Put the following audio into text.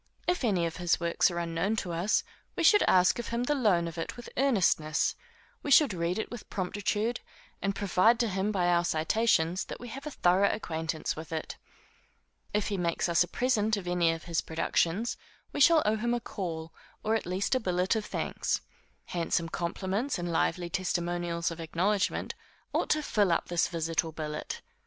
If any of his works are unknown to us, we should ask of him the loan of it with earnestness; we should read it with promptitude, and prove to him by our citations that we have a thorough acquaintance with it. If he makes us a present of any of his productions, we shall owe him a call, or at least a billet of thanks. Handsome compliments, and lively testimonials of acknowledgment, ought to fill up this visit or billet.